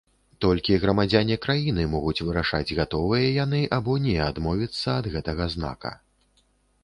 Толькі грамадзяне краіны могуць вырашаць, гатовыя яны або не адмовіцца ад гэтага знака.